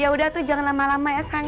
ya udah tuh jangan lama lama ya sekarang